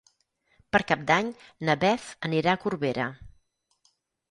Per Cap d'Any na Beth anirà a Corbera.